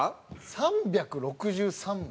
３６３枚。